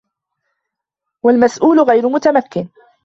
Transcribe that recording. وَالْمَسْئُولُ غَيْرَ مُتَمَكِّنٍ